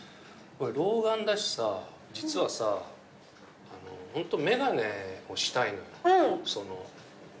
老眼だしさ実はさホント眼鏡をしたいのよテレビ出るときも。